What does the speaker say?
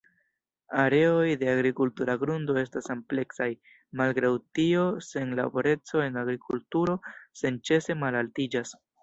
Areoj de agrikultura grundo estas ampleksaj, malgraŭ tio senlaboreco en agrikulturo senĉese malaltiĝas.